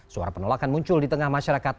suara penolakan muncul di tengah masyarakat